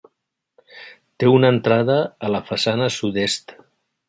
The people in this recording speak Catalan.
Té una entrada a la façana sud-est.